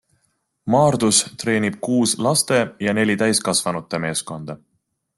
Maardus treenib kuus laste ja neli täiskasvanute meeskonda.